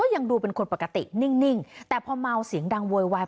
ยังดูเป็นคนปกตินิ่งแต่พอเมาเสียงดังโวยวาย